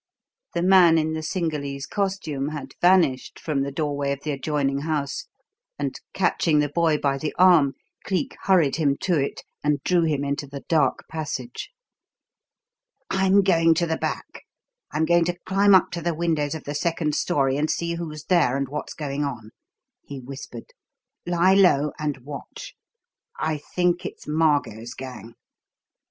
The man in the Cingalese costume had vanished from the doorway of the adjoining house, and, catching the boy by the arm, Cleek hurried him to it and drew him into the dark passage. "I'm going to the back; I'm going to climb up to the windows of the second storey and see who's there and what's going on," he whispered. "Lie low and watch. I think it's Margot's gang."